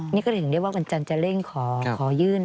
นี่ก็เลยถึงเรียกว่าวันจันทร์จะเร่งขอยื่น